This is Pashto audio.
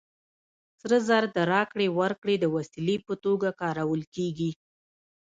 سره زر د راکړې ورکړې د وسیلې په توګه کارول کېږي